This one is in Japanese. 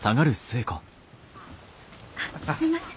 あっすみません。